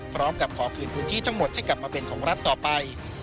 พร้อมกับขอคืนพื้นที่ทั้งหมดให้กลับมาเป็นของรัฐต่อไป